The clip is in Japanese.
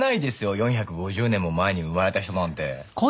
４５０年も前に生まれた人なんて。